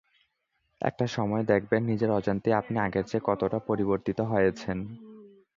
একটি সময় দেখবেন, নিজের অজান্তেই আপনি আগের চেয়ে কতটা পরিবর্তিত হয়েছেন।